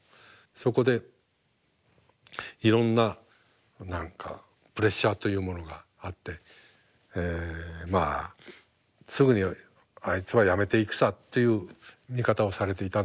そこでいろんな何かプレッシャーというものがあってまあ「すぐにあいつはやめていくさ」という見方をされていたんでしょう。